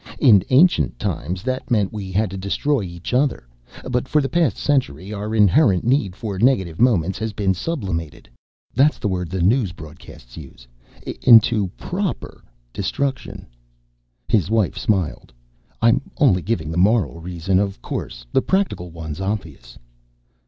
In ancient times that meant we had to destroy each other; but for the past century our inherent need for negative moments has been sublimated that's the word the news broadcasts use into proper destruction." His wife smiled. "I'm only giving the moral reason, of course. The practical one's obvious."